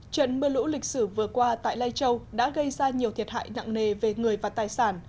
trận mưa lũ lịch sử vừa qua tại lai châu đã gây ra nhiều thiệt hại nặng nề về người và tài sản